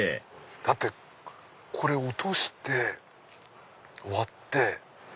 だってこれ落として割って。